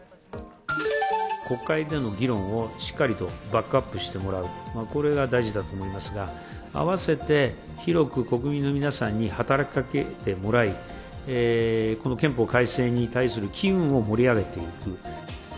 国会での議論をしっかりとバックアップしてもらうこれが大事だと思いますが、併せて広く国民の皆さんに働きかけてもらい、憲法改正に対する機運を盛り上げていく。